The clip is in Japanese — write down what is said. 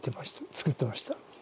作ってました。